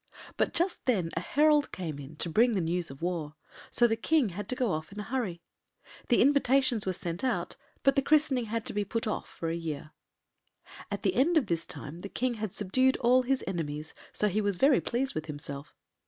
But just then a herald came in to bring news of war. So the King had to go off in a hurry. The invitations were sent out, but the christening had to be put off for a year. At the end of this time the King had subdued all his enemies, so he was very pleased with himself.